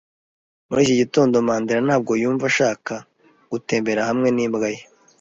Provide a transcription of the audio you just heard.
Muri iki gitondo, Mandera ntabwo yumva ashaka gutembera hamwe n'imbwa ye.